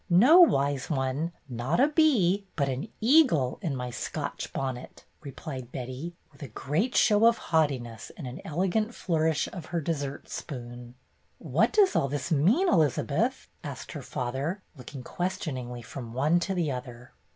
"No, Wise One, not a bee, but an eagle in my Scotch bonnet," replied Betty, with a great show of haughtiness and an elegant flourish of her dessert spoon. "What does this all mean, Elizabeth?" asked her father, looking questioningly from one to the other.